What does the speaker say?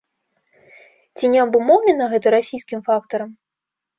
Ці не абумоўлена гэта расійскім фактарам?